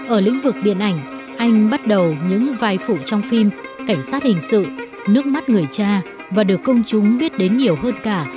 ở lĩnh vực điện ảnh anh bắt đầu những vai phụ trong phim cảnh sát hình sự nước mắt người cha và được công chúng biết đến nhiều hơn cả